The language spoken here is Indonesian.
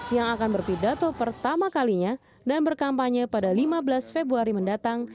yang akan berpidato pertama kalinya dan berkampanye pada lima belas februari mendatang